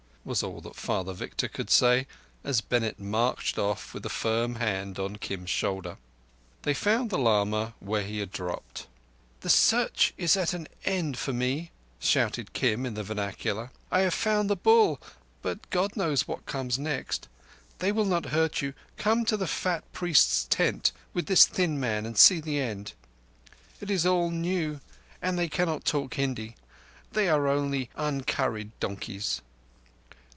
was all that Father Victor could say, as Bennett marched off, with a firm hand on Kim's shoulder. They found the lama where he had dropped. "The Search is at an end for me," shouted Kim in the vernacular. "I have found the Bull, but God knows what comes next. They will not hurt you. Come to the fat priest's tent with this thin man and see the end. It is all new, and they cannot talk Hindi. They are only uncurried donkeys."